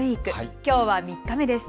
きょうは３日目です。